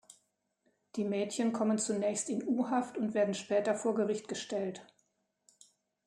Die Mädchen kommen zunächst in U-Haft und werden später vor Gericht gestellt.